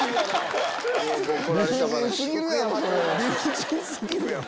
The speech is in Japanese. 理不尽すぎるよな。